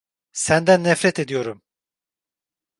Senden nefret ediyorum!